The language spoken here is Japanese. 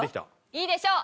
いいでしょう。